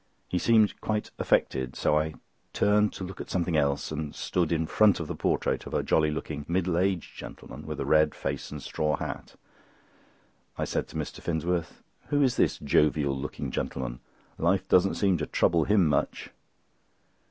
He seemed quite affected, so I turned to look at something else and stood in front of a portrait of a jolly looking middle aged gentleman, with a red face and straw hat. I said to Mr. Finsworth: "Who is this jovial looking gentleman? Life doesn't seem to trouble him much."